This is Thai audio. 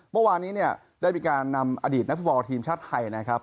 เมื่อวานนี้เนี่ยได้มีการนำอดีตนักฟุตบอลทีมชาติไทยนะครับ